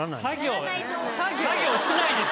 作業しないです